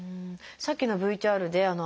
さっきのＶＴＲで朝方に